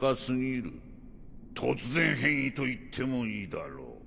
突然変異といってもいいだろう。